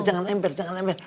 jangan lempar jangan lempar